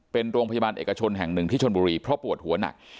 เป็นโรงพยาบาลเอกชนแห่งหนึ่งที่ชนบุรีเพราะปวดหัวหนัก